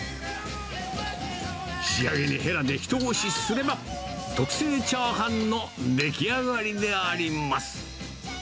仕上げにへらで一押しすれば、特製チャーハンの出来上がりであります。